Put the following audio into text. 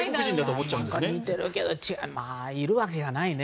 似てるけど、いるわけがないね